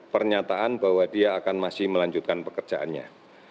pernyataan bahwa dia akan masih melanjutkan pekerjaannya